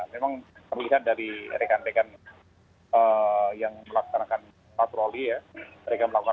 memang kemudian dari rekan rekan yang melaksanakan patroli ya